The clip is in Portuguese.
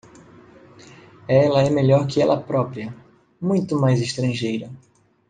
Ela é melhor que ela própria, muito mais estrangeira.